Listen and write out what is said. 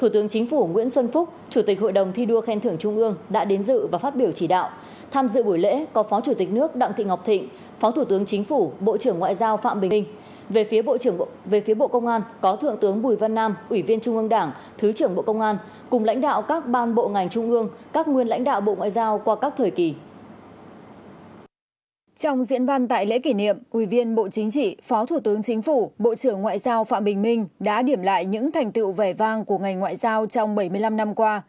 trong diễn văn tại lễ kỷ niệm quy viên bộ chính trị phó thủ tướng chính phủ bộ trưởng ngoại giao phạm bình minh đã điểm lại những thành tựu vẻ vang của ngành ngoại giao trong bảy mươi năm năm qua